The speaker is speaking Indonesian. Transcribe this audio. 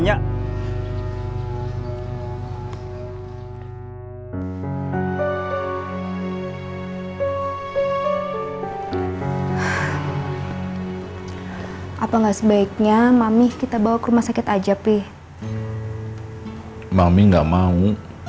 hai apa enggak sebaiknya mami kita bawa ke rumah sakit aja pih mami nggak mau